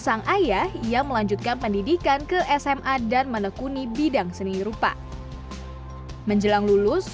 sang ayah yang melanjutkan pendidikan ke sma dan menekuni bidang seni rupa menjelang lulus